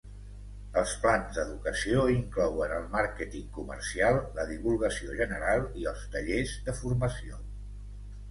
Els plans d'educació inclouen el màrqueting comercial, la divulgació general i els tallers de formació.